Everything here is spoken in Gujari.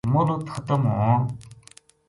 مہلت ختم ہون